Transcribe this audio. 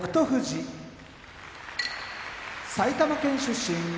富士埼玉県出身